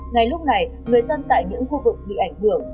ngay lúc này người dân tại những khu vực bị ảnh hưởng